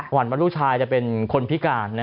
วันว่าลูกชายจะเป็นคนพิการ